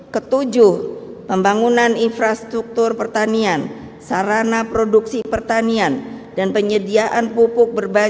ketujuh pembangunan infrastruktur pertanian sarana produksi pertanian dan penyediaan pupuk berbasis green farming